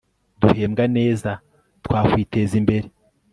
duhembwa neza twakwiteza imbere